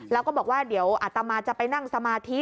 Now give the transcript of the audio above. แล้วก็บอกว่าเดี๋ยวอัตมาจะไปนั่งสมาธิ